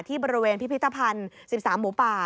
ที่บริเวณพิพิธภัณฑ์๑๓หมูป่า